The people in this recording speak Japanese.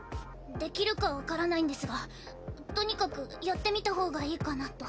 できるか分からないんですがとにかくやってみた方がいいかなと。